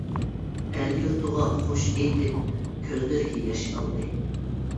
ئەل-يۇرتىغا خوش ئېيتىپ، كۆزلىرىگە ياش ئالدى.